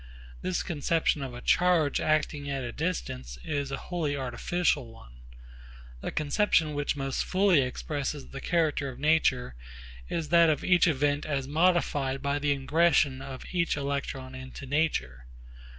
This conception of a charge acting at a distance is a wholly artificial one. The conception which most fully expresses the character of nature is that of each event as modified by the ingression of each electron into nature.